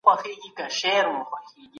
هغه خپله پانګه بل ځای ته وړې وه.